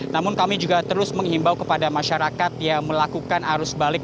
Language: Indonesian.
namun kami juga terus menghimbau kepada masyarakat yang melakukan arus balik